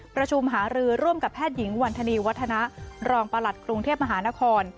ประชุมหารือร่วมกับแพทย์หญิงวันธนีวัฒนะรองประหลัดกรุงเทพมหานคร